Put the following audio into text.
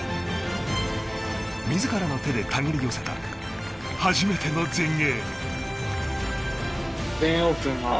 自らの手で手繰り寄せた初めての全英。